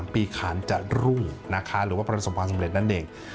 ๒๐๑๓ปีขาลจะรุ่งหรือว่าปฎัญชาสมภัณฑ์สำเร็จนั่นเอง